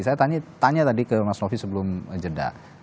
saya tanya tadi ke mas novi sebelum jeda